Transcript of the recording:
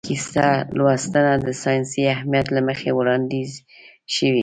کیسه لوستنه د ساینسي اهمیت له مخې وړاندیز شوې.